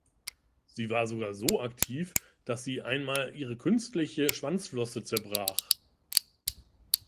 Sie war sogar so aktiv, dass sie einmal ihre künstliche Schwanzflosse zerbrach.